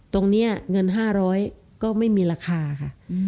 เงิน๕๐๐ก็ไม่มีราคาค่ะ